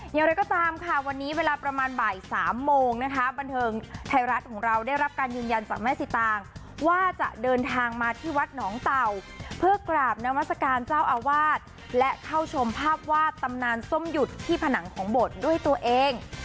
อย่างไรก็ตามค่ะวันนี้เวลาประมาณบ่ายสามโมงนะคะบันเทิงไทยรัฐของเราได้รับการยืนยันจากแม่สิตางว่าจะเดินทางมาที่วัดหนองเต่าเพื่อกราบนามัศกาลเจ้าอาวาสและเข้าชมภาพวาดตำนานส้มหยุดที่ผนังของบทด้วยตัวเอง